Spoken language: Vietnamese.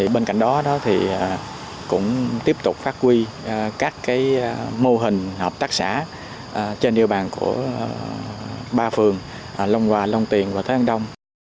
bên cạnh đó thì cũng tiếp tục phát huy các mô hình hợp tác xã trên điều bàn của ba phường long hoa long tiền và thái an đông